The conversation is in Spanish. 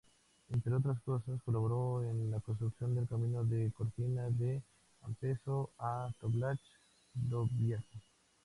Entre otras cosas, colaboró en la construcción del camino de Cortina d'Ampezzo a Toblach-Dobbiaco.